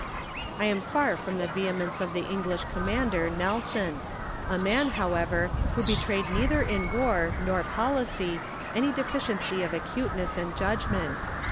I am far from the vehemence of the English commander, Nelson — a man, however, who betrayed neither in war nor policy any deficiency of acuteness and judgment.